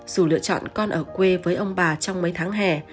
dù lựa chọn con ở quê với ông bà trong mấy tháng hè